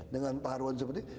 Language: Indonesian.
dengan paruan seperti ini